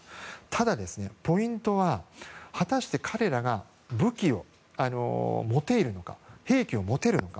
ただ、ポイントは果たして、彼らが武器を持てるのか、兵器を持てるのか。